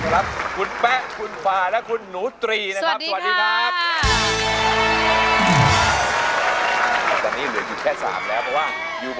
ขอตอบของคุณแป๊ะคุณฟาและคุณหนูตรีนะครับ